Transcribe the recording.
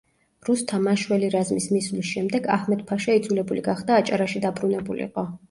რუსთა მაშველი რაზმის მისვლის შემდეგ აჰმედ-ფაშა იძულებული გახდა აჭარაში დაბრუნებულიყო.